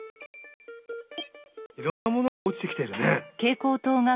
いろんなものがおちてきてるね。